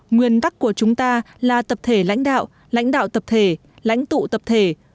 nguyên tắc của chúng ta là tập thể lãnh đạo lãnh đạo tập thể lãnh tụ tập thể